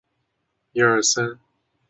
类花岗园蛛为园蛛科园蛛属的动物。